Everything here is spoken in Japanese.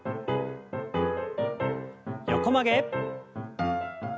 横曲げ。